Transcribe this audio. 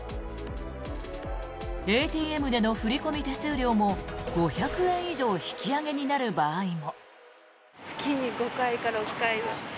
ＡＴＭでの振込手数料も５００円以上引き上げになる場合も。